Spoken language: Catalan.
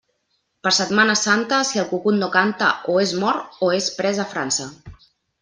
Per Setmana Santa, si el cucut no canta, o és mort o és pres a França.